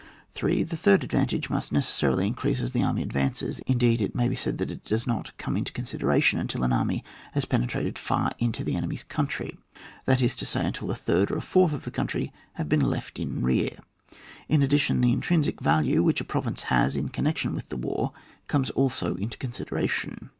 3. The third advantage must neces sarily increase as the army advances; indeed, it may be said that it does not come into consideration until an army has penetrated far into the enemy's coun try; that is to say, until fi third or a fourth of the country has been left in rear. In addition, the intrinsic value which a province has in connection with the war comes also into consideration.